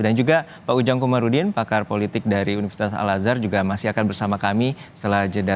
dan juga pak ujang kumarudin pakar politik dari universitas al azhar juga masih akan bersama kami setelah jeda